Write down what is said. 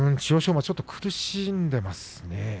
馬はちょっと苦しんでいますね。